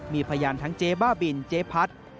มีพยานทั้งเจ๊บ้าบินเจ๊พัด